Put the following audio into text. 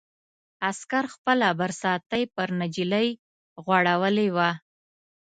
عسکر خپله برساتۍ پر نجلۍ غوړولې وه.